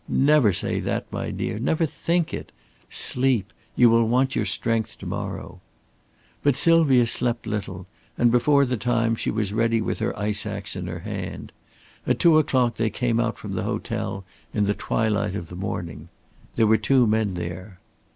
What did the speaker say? "Never say that, my dear, never think it! Sleep! You will want your strength to morrow." But Sylvia slept little, and before the time she was ready with her ice ax in her hand. At two o'clock they came out from the hotel in the twilight of the morning. There were two men there.